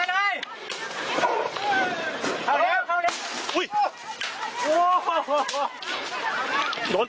รอยเอาให้พอให้กัน